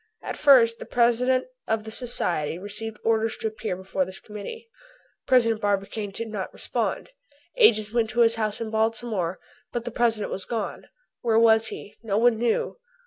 At first the President of the Society received orders to appear before this committee. President Barbicane did not respond. Agents went to his house in Baltimore, but the President was gone. Where was he? No one knew.